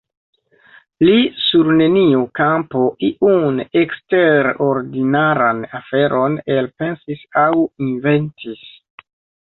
Li sur neniu kampo iun eksterordinaran aferon elpensis aŭ inventis.